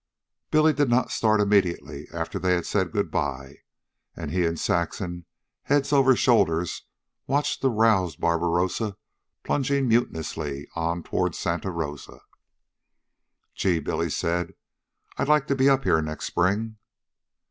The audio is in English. Billy did not start immediately after they had said good by, and he and Saxon, heads over shoulders, watched the roused Barbarossa plunging mutinously on toward Santa Rosa. "Gee!" Billy said. "I'd like to be up here next spring."